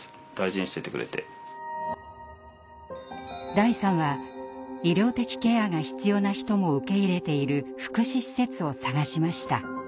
大さんは医療的ケアが必要な人も受け入れている福祉施設を探しました。